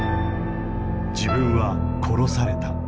自分は殺された。